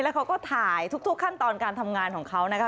เขาก็ถ่ายทุกขั้นตอนการทำงานของเขานะคะ